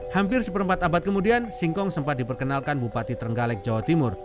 hampir seperempat abad kemudian singkong sempat diperkenalkan bupati trenggalek jawa timur